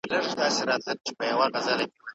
د الله رضا حاصل کړئ.